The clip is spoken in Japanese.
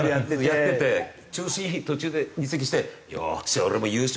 やってて調子いい途中で移籍して「よし俺も優勝！」